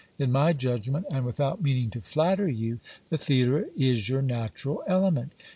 In my judgment, and without meaning to flatter you, the theatre is your natural element.